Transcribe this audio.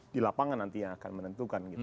di lapangan nanti yang akan menentukan gitu